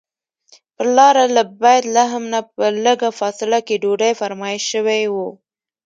پر لاره له بیت لحم نه په لږه فاصله کې ډوډۍ فرمایش شوی و.